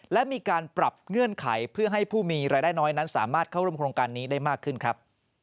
และมีการปรับเงื่อนไขเพื่อให้ผู้มีรายได้น้อยนั้นสามารถเข้าร่วมโครงการนี้ได้มากขึ้นครับ